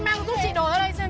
em mang giúp chị đồ ra đây